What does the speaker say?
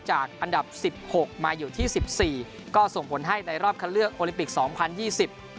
อันดับสิบหกมาอยู่ที่สิบสี่ก็ส่งผลให้ในรอบคันเลือกโอลิปิกสองพันยี่สิบ